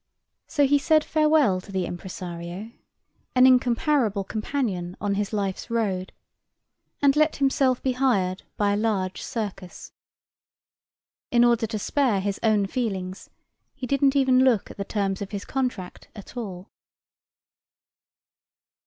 So he said farewell to the impresario, an incomparable companion on his life's road, and let himself be hired by a large circus. In order to spare his own feelings, he didn't even look at the terms of his contract at all.